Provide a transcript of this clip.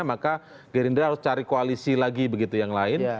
maka gerindra harus cari koalisi lagi begitu yang lain